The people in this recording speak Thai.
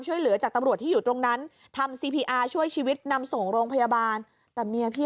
พอมาจุดตรงนี้มาตร